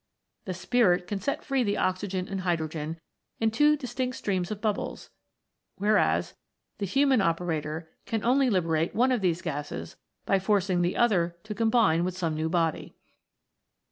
The Spirit can set free the oxygen and hydrogen in two distinct streams of bubbles; whereas, the human operator can only liberate one of these gases by forcing the other to combine with some new body.